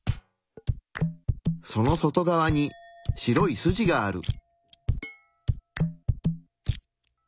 その外側に白い筋がある。